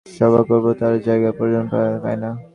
মিছিল দূরের কথা, আমরা একটা সভা করব, তার জায়গা পর্যন্ত পাই না।